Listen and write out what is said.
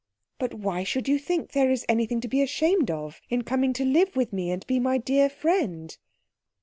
"But why should you think there is anything to be ashamed of in coming to live with me and be my dear friend?"